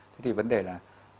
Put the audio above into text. thế thì vấn đề là